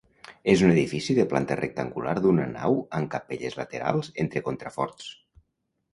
És un edifici de planta rectangular d'una nau amb capelles laterals entre contraforts.